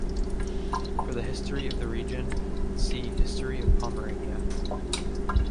For the history of the region, see "History of Pomerania".